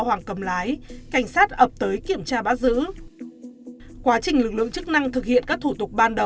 hoàng cầm lái cảnh sát ập tới kiểm tra bắt giữ quá trình lực lượng chức năng thực hiện các thủ tục ban đầu